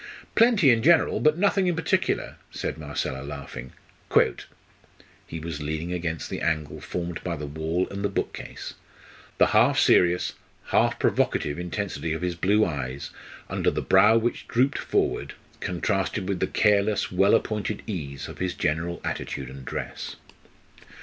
"Plenty in general, but nothing in particular," said Marcella, laughing. "Quote." He was leaning against the angle formed by the wall and the bookcase. The half serious, half provocative intensity of his blue eyes under the brow which drooped forward contrasted with the careless, well appointed ease of his general attitude and dress.